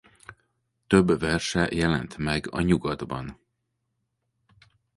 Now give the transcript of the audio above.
Több verse jelent meg a Nyugatban.